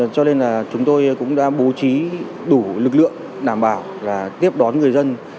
cho nên là chúng tôi cũng đã bố trí đủ lực lượng đảm bảo là tiếp đón người dân